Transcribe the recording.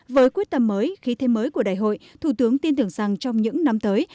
với quyết tâm mới khí thêm mới của đại hội thủ tướng tin tưởng rằng trong những năm tới